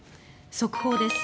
速報です。